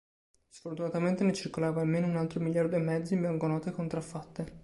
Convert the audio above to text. Sfortunatamente ne circolava almeno un altro miliardo e mezzo in banconote contraffatte.